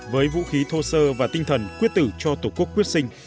với vũ khí thô sơ và tinh thần quyết tử cho tổ quốc quyết sinh